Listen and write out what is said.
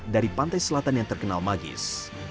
dari pantai selatan yang terkenal magis